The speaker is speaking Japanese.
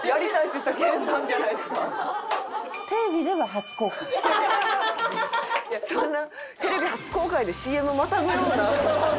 いやそんな「テレビ初公開！」でＣＭまたぐような事ではなかった。